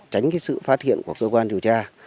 tránh cái sự phát hiện của cơ quan điều tra